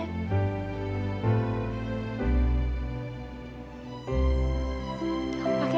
aku pake alasan apa untuk pamit ya